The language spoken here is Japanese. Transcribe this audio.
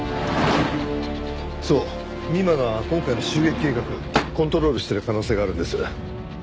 そう美馬が今回の襲撃計画コントロールしてる可能性があるんです。